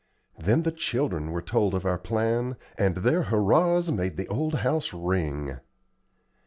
Then the children were told of our plan, and their hurrahs made the old house ring.